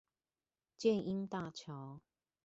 箭瑛大橋